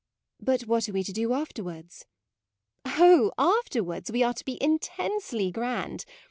But what are we to do afterwards? " u Oh! afterwards we are to be intensely grand.